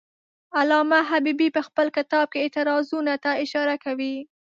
علامه حبیبي په خپل کتاب کې اعتراضونو ته اشاره کوي.